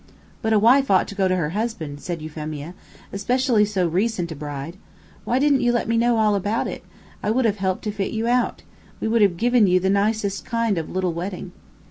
"But a wife ought to go to her husband," said Euphemia, "especially so recent a bride. Why didn't you let me know all about it? I would have helped to fit you out. We would have given you the nicest kind of a little wedding."